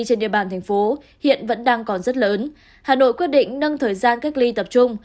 trên địa bàn thành phố hiện vẫn đang còn rất lớn hà nội quyết định nâng thời gian cách ly tập trung